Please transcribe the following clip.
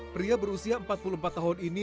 pria berusia empat puluh empat tahun ini